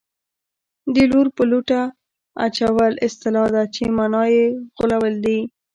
د لور په لوټه اچول اصطلاح ده چې مانا یې غولول دي